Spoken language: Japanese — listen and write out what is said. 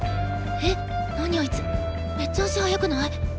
えっなにあいつめっちゃ足速くない？